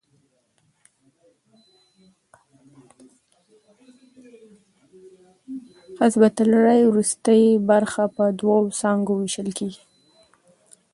قصبة الریې وروستۍ برخه په دوو څانګو وېشل کېږي.